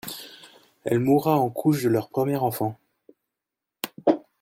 Elle mourra en couche de leur premier enfant.